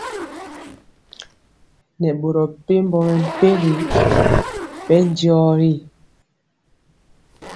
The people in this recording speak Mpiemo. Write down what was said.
Nɛ boro mepempɔ mɛmpegi bɛndiɔ ri.